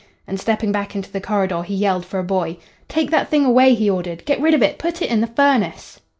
And, stepping back into the corridor, he yelled for a boy. 'Take that thing away,' he ordered. 'Get rid of it. Put it in the furnace.'